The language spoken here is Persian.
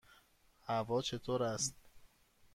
هوا چطور است؟